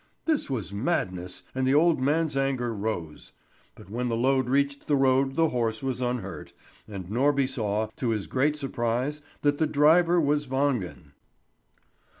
This was madness, and the old man's anger rose. But when the load reached the road the horse was unhurt, and Norby saw, to his great surprise, that the driver was Wangen.